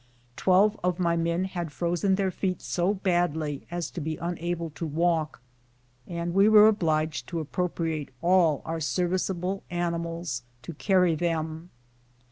Twelve of my men had frozen their feet so badly as to be unable to walk, and we were obliged to appropri ate all our serviceable animals to carry them.